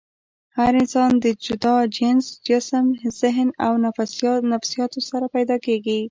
هر انسان د جدا جينز ، جسم ، ذهن او نفسياتو سره پېدا کيږي